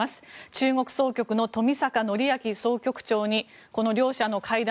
中国総局の冨坂範明総局長にこの両者の会談